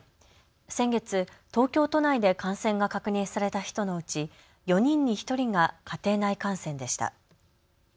先月、東京都内で感染が確認された人のうち４人に１人が家庭内感染でした。